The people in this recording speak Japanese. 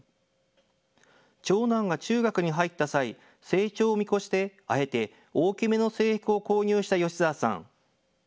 長男が中学に入った際、成長を見越してあえて大きめの制服を購入した吉澤さん。